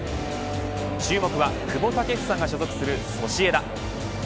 注目は久保建英が所属するソシエダ。